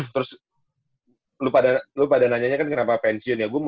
terus lu pada nanya kenapa pensiun ya